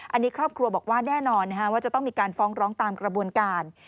อันนี้ครอบครัวบอกว่าแน่นอนว่าจะต้องมีการฟ้องร้องตามกระบวนการ